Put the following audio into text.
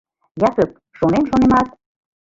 — Якып, шонем-шонемат...